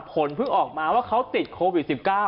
ผลเพิ่งออกมาว่าเขาติดโควิด๑๙